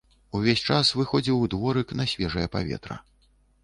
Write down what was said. Увесь час выходзіў у дворык на свежае паветра.